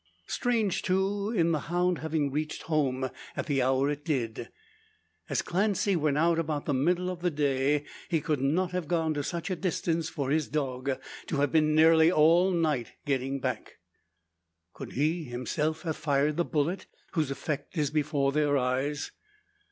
Strange, too, in the hound having reached home at the hour it did. As Clancy went out about the middle of the day, he could not have gone to such a distance for his dog to have been nearly all night getting back. Could he himself have fired the bullet, whose effect is before their eyes?